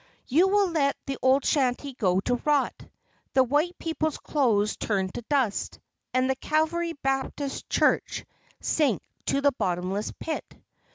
You will let the old shanty go to rot, the white people's clothes turn to dust, and the Calvary Baptist Church sink to the bottomless pit.